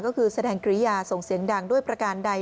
ก็คือแสดงกริยาส่งเสียงดังด้วยประการใด